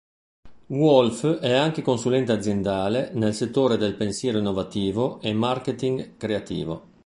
Wolf è anche un consulente aziendale nel settore del pensiero innovativo e marketing creativo.